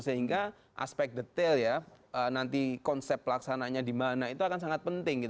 sehingga aspek detail ya nanti konsep pelaksananya di mana itu akan sangat penting